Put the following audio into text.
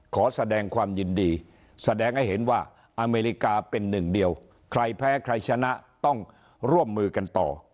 ขอแสดงความยินดีแสดงให้เห็นว่าอเมริกาเป็นหนึ่งเดียวใครแพ้ใครชนะต้องร่วมมือกันต่อ